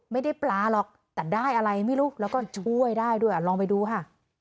ไม่ได้ปลาหรอกแต่ได้อะไรไม่รู้แล้วก็ช่วยได้ด้วยลองไปดูค่ะ